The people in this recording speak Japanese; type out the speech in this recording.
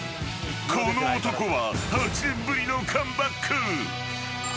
［この男は８年ぶりのカムバック］